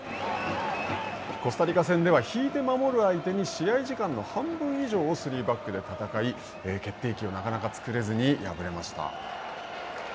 コスタリカ戦では引いて守る相手に試合時間の半分以上を３バックで戦い、決定機をなかなか作れずに敗れました。